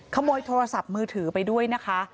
ขโมยโทรศัพท์มือถือไปด้วยนะคะ